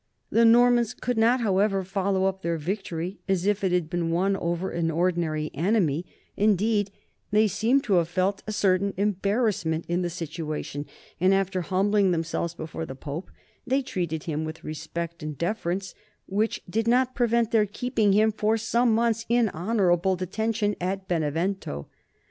The Normans could not, however, follow up their victory as if it had been won over an ordinary enemy; indeed they seem to have felt a certain embarrassment in the situation, and after humbling themselves before the Pope, they treated him with respect and deference which did not prevent their keeping him for some months in honorable detention at Benevento.